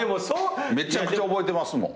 めちゃくちゃ覚えてますもん。